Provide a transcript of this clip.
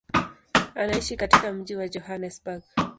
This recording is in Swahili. Anaishi katika mji wa Johannesburg.